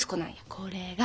これが。